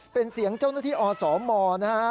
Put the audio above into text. เป็นเสียงเจ้าหน้าที่อสมนะฮะ